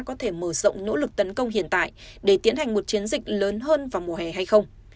có thể mở rộng nỗ lực tấn công hiện tại để tiến hành một chiến dịch lớn hơn vào mùa hè hay không